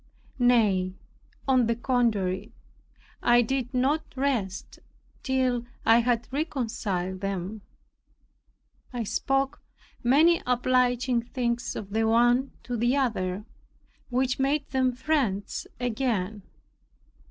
Nay, on the contrary, I did not rest till I had reconciled them. I spoke many obliging things of the one to the other, which made them friends again.